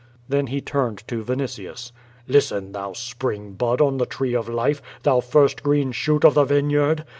Then he turned to Vinitius: "Listen, thou spring bud on the tree of life, thou first green shoot of the vineyard.